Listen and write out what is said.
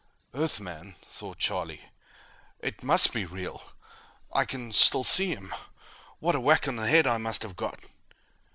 Earthman! thought Charlie. _It must be real: I can still see him. What a whack on the head I must have got!